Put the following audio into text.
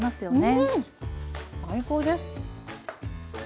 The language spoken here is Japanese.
うん最高です！